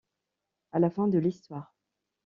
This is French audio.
À la fin de l'histoire.